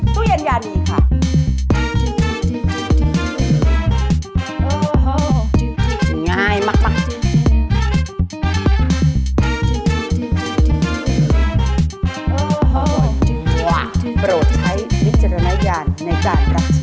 ตู้เย็นอย่างหนึ่งค่ะ